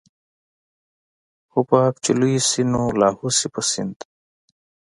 حباب چې لوى شي نو لاهو شي په سيند.